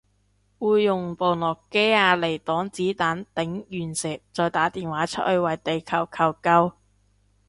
會用部諾基亞嚟擋子彈頂隕石再打電話出去為地球求救